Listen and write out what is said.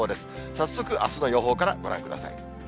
早速、あすの予報からご覧ください。